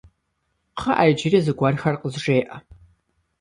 Кхъыӏэ, иджыри зыгуэрхэр къызжеӏэ.